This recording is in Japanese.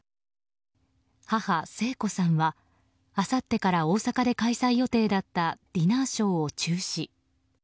母・聖子さんは、あさってから大阪で開催予定だったディナーショーを中止。